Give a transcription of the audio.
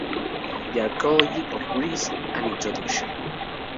The Archaeology of Greece: An Introduction.